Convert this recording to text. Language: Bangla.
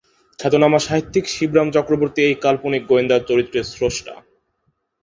খ্যাতনামা সাহিত্যিক শিবরাম চক্রবর্তী এই কাল্পনিক গোয়েন্দা চরিত্রের স্রষ্টা।